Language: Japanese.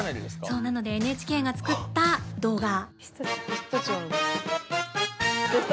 そうなのでＮＨＫが作った動画。